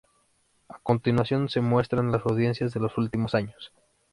A continuación se muestran las audiencias de los últimos años.